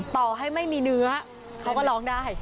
ต่อให้ไม่มีเนื้อเขาก็ร้องได้